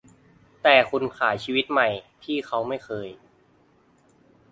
แต่คุณขายชีวิตใหม่ที่เขาไม่เคย